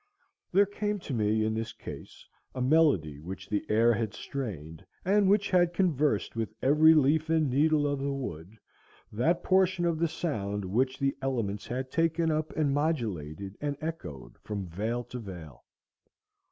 There came to me in this case a melody which the air had strained, and which had conversed with every leaf and needle of the wood, that portion of the sound which the elements had taken up and modulated and echoed from vale to vale.